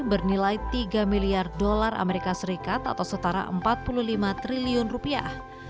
bernilai tiga miliar dolar amerika serikat atau setara empat puluh lima triliun rupiah